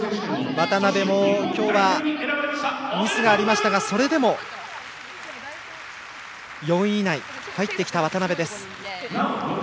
渡部も、今日はミスがありましたがそれでも４位以内に入ってきた渡部です。